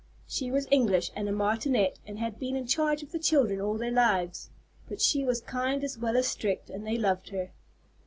She was English and a martinet, and had been in charge of the children all their lives; but she was kind as well as strict, and they loved her.